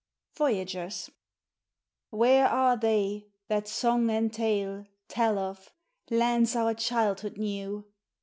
VOYAGERS Where are they, that song and tale Tell of, lands our childhood knew?